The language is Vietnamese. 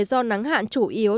do nắng hạn chủ yếu